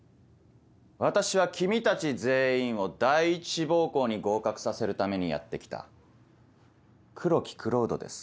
私は君たち全員を第一志望校に合格させるためにやって来た黒木蔵人です。